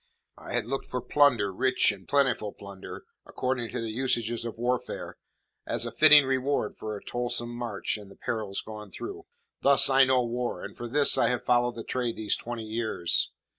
I had looked for plunder, rich and plentiful plunder, according to the usages of warfare, as a fitting reward for a toilsome march and the perils gone through. "Thus I know war, and for this have I followed the trade these twenty years.